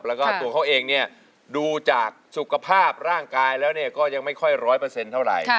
แล้วก็ตัวเขาเองเนี่ยดูจากสุขภาพร่างกายแล้วก็ยังไม่ค่อยร้อยเปอร์เซ็นต์เท่าไหร่